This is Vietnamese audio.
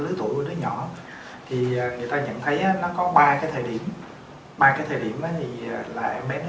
lứa tuổi của đứa nhỏ thì người ta nhận thấy nó có ba cái thời điểm ba cái thời điểm đó thì là em bé nó